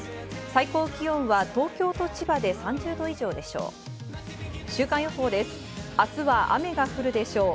最高気温は東京と千葉で３０度以上でしょう。